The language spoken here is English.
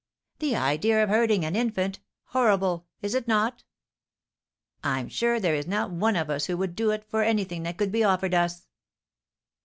"The idea of hurting an infant! horrible! Is it not?" "I'm sure there is not one of us would do it for anything that could be offered us."